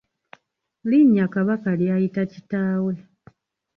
Linnya Kabaka ly’ayita kitaawe.